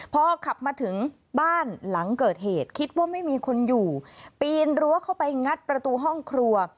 พอขับมาถึงบ้านหลังเกิดเหตุคิดว่าไม่มีคนอยู่ปีนรั้วเข้าไปงัดประตูห้องครัว